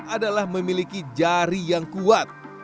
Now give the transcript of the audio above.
adalah memiliki jari yang kuat